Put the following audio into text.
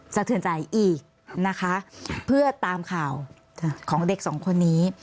สะเทือนใจอีกนะคะเพื่อตามข่าวของเด็กสองคนนี้